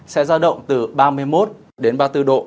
sẽ ra động từ ba mươi một đến ba mươi bốn độ